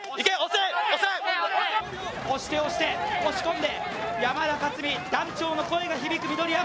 押して押して押し込んで、山田勝己団長の声が響く緑山。